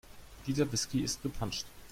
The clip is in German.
Dieser Whisky ist gepanscht.